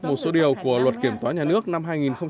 một số điều của luật kiểm toán nhà nước năm hai nghìn một mươi ba